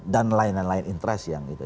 dan lain lain interest yang gitu